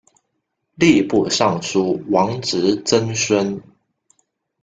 吏部尚书王直曾孙。